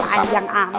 apa aja yang amat